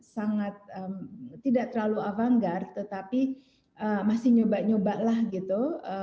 sangat tidak terlalu apa enggak tetapi masih nyoba nyobalah gitu